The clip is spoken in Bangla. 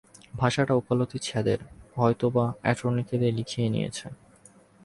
ভাষাটা ওকালতি ছাঁদের– হয়তো বা অ্যাটর্নিকে দিয়ে লিখিয়ে নিয়েছে।